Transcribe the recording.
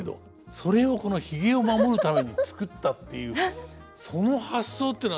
それをこのひげを守るために作ったっていうその発想っていうのは。